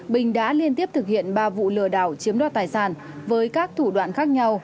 bình đã liên tiếp thực hiện ba vụ lừa đảo chiếm đoạt tài sản với các thủ đoạn khác nhau